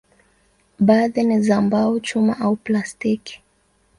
Baadhi ni za mbao, chuma au plastiki.